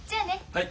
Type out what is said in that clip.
はい。